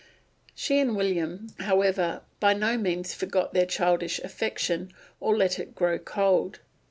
She and William, however, by no means forgot their childish affection or let it grow cold.